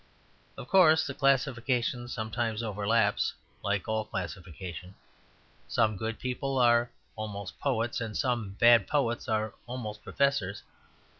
Of course, the classification sometimes overlaps, like all classification. Some good people are almost poets and some bad poets are almost professors.